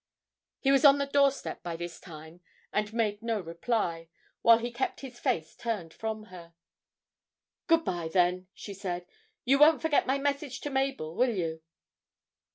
He was on the door step by this time, and made no reply, while he kept his face turned from her. 'Good bye, then,' she said; 'you won't forget my message to Mabel, will you?'